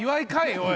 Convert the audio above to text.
おい！